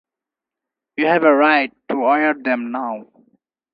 You have a right to wear them now.